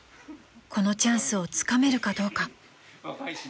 ［このチャンスをつかめるかどうか］